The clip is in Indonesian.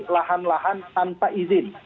lahan lahan tanpa izin